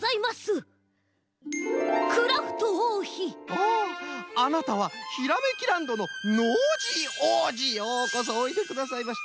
おおあなたはひらめきランドのノージーおうじようこそおいでくださいました。